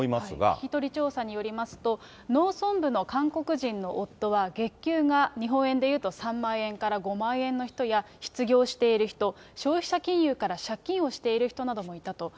聞き取り調査によりますと、農村部の韓国人の夫は月給が日本円でいうと３万円から５万円の人や、失業している人、消費者金融から借金をしている人もいたと。